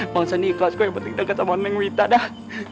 bang sani ikut kok yang penting kita ke tangan men wita dah